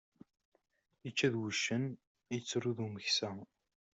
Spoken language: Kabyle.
Ičča d wuccen, ittru d umeksa.